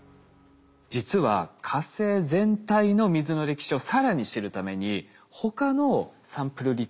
実は火星全体の水の歴史を更に知るために他のサンプルリターンの計画もあるんです。